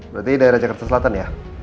berarti daerah jakarta selatan ya